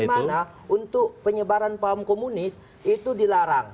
dimana untuk penyebaran paham komunis itu dilarang